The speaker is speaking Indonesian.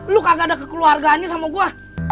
lu kagak ada kekeluargaannya sama gue